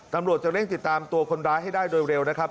ตำรวจจะเร่งติดตามตัวคนร้ายให้ได้โดยเร็วนะครับ